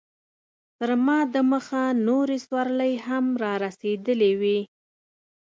تر ما دمخه نورې سورلۍ هم رارسېدلې وې.